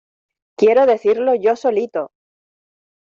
¡Quiero decidirlo yo solito!